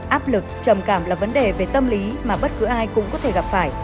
áp lực trầm cảm là vấn đề về tâm lý mà bất cứ ai cũng có thể gặp phải